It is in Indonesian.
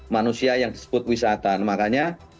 manusia yang disebut wisata makanya